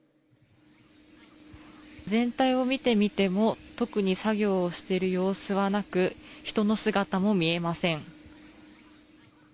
全体を見てみても特に作業をしている様子はなく人の姿も見えません。